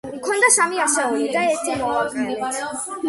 გვქონდა სამი ასეული და ერთი მოვაკელით.